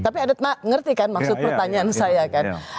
tapi ada ngerti kan maksud pertanyaan saya kan